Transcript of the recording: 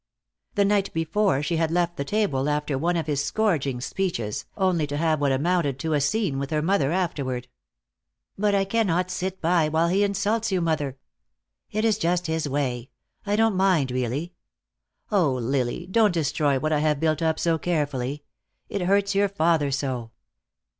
The night before she had left the table after one of his scourging speeches, only to have what amounted to a scene with her mother afterward. "But I cannot sit by while he insults you, mother." "It is just his way. I don't mind, really. Oh, Lily, don't destroy what I have built up so carefully. It hurts your father so."